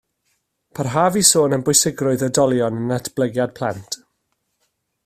Parhaf i sôn am bwysigrwydd oedolion yn natblygiad plant